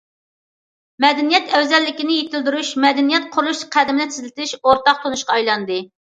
مەدەنىيەت ئەۋزەللىكىنى يېتىلدۈرۈش، مەدەنىيەت قۇرۇلۇش قەدىمىنى تېزلىتىش ئورتاق تونۇشقا ئايلاندى.